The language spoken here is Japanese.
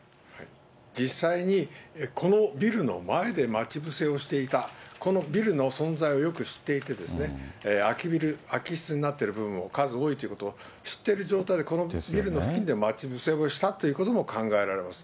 実際にこのビルの前で待ち伏せをしていた、このビルの存在をよく知っていて、空きビル、空き室になってる部分も数多いということを知ってる状態で、このビルの付近で待ち伏せをしたということも考えられます。